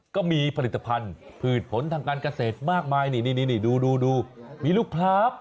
ก็มีผลิตภัณฑ์ผืดผลทางการเกษตรมากมายนี่ดูมีลูกครับ